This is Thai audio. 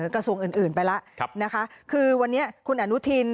กระทรวงอื่นอื่นไปแล้วนะคะคือวันนี้คุณอนุทิน